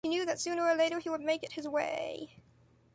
He knew that sooner or later he would make it his way.